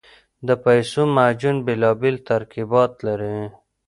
د پیسو معجون بېلابېل ترکیبات لري.